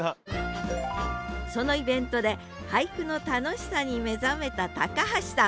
そのイベントで俳句の楽しさに目覚めた橋さん。